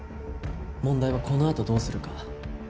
問題はこのあとどうするか。